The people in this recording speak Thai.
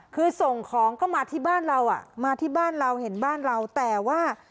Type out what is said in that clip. คือส่งของก็มาที่บ้านเราอ่ะมาที่บ้านเราเห็นบ้านเราแต่ว่า